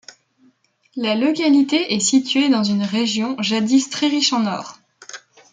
La localité est située dans une région jadis très riche en or.